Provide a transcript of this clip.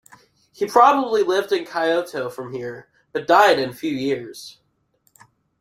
He probably lived in Kyoto from here but died in few years.